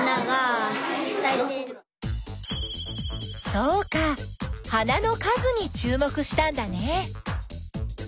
そうか花の数にちゅうもくしたんだね。